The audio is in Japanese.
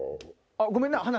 ごめんな話！